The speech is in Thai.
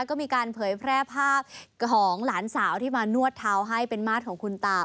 ก็มีการเผยแพร่ภาพของหลานสาวที่มานวดเท้าให้เป็นมาตรของคุณตา